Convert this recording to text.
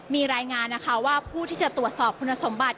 มีรายงานนะคะว่าผู้ที่จะตรวจสอบคุณสมบัติ